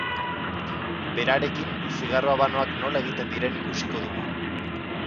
Berarekin zigarro habanoak nola egiten diren ikusiko dugu.